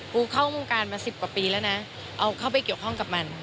กูเข้าวงการมา๑๐กว่าปีแล้วนะเอาเข้าไปเกี่ยวข้องกับมัน